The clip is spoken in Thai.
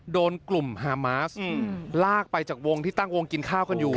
โดนกลุ่มฮามาสลากไปจากวงที่ตั้งวงกินข้าวกันอยู่